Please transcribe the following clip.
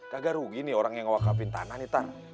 kagak rugi nih orang yang ngawakapin tanah nih tar